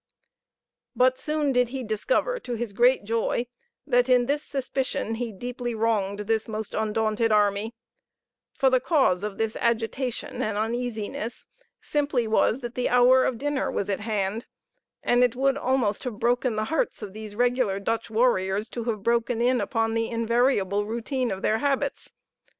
But soon did he discover, to his great joy, that in this suspicion he deeply wronged this most undaunted army; for the cause of this agitation and uneasiness simply was that the hour of dinner was at hand, and it would almost have broken the hearts of these regular Dutch warriors to have broken in upon the invariable routine of their habits.